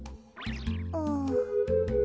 うん。